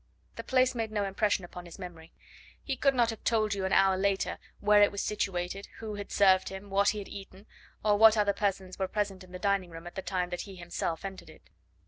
The place made no impression upon his memory. He could not have told you an hour later where it was situated, who had served him, what he had eaten, or what other persons were present in the dining room at the time that he himself entered it.